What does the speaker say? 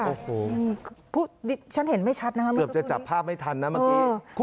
นี่ฉันเห็นไม่ชัดนะคะเมื่อสักครู่สำหรับจะจับภาพไม่ทันนะเมื่อกี้